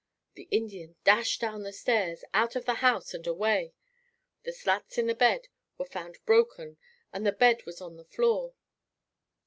The Indian dashed down the stairs, out of the house and away. The slats in the bed were found broken and the bed was on the floor.